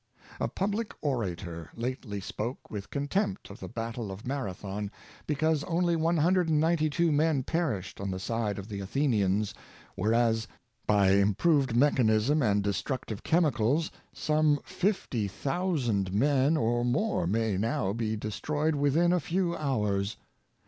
A public orator lately spoke with contempt of the Battle of Marathon, because only 192 men perished on the side of the Athe nians, whereas by improved mechanism and destructive chemicals, some 50,000 men or more may now be de stroyed within a few hours.